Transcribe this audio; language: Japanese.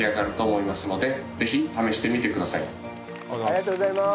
ありがとうございます。